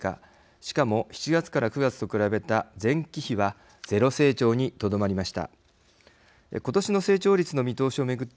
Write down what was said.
しかも７月から９月と比べた前期比はゼロ成長にとどりました。